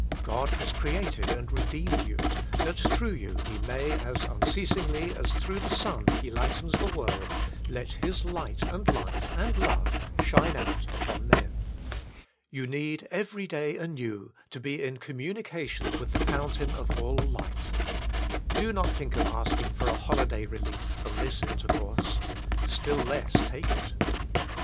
God has created and redeemed you, that through you He may, as unceasingly as through the sun He lightens the world, let His light and life and love shine out upon men. You need every day anew to be in communication with the fountain of all light. Bo not think of asking for a holiday relief from this intercourse. Still less Take it.